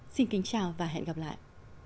xin kính chào và hẹn gặp lại